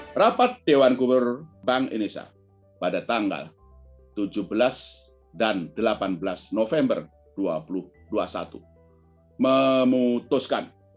hai rapat dewan gubernur bank indonesia pada tanggal tujuh belas dan delapan belas november dua ribu dua puluh satu memutuskan